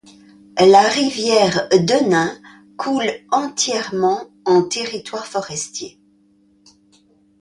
La rivière Denain coule entièrement en territoire forestier.